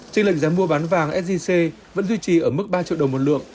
tranh lệch giá mua bán vàng sgc vẫn duy trì ở mức ba triệu đồng một lượng